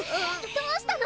どうしたの？